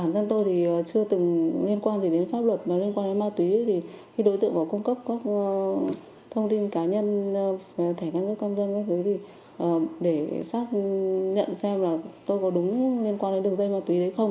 công an thể ngân nước công dân các thứ gì để xác nhận xem là tôi có đúng liên quan đến đường dây ma túy đấy không